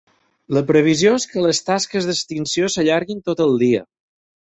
La previsió és que les tasques d’extinció s’allarguin tot el dia.